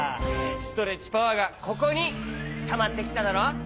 ストレッチパワーがここにたまってきただろう？